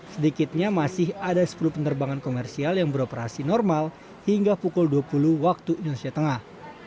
sedikitnya masih ada sepuluh penerbangan komersial yang beroperasi normal hingga pukul dua puluh waktu indonesia tengah